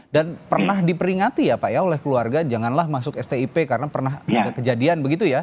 dan pernah diperingati ya pak ya oleh keluarga janganlah masuk stip karena pernah kejadian begitu ya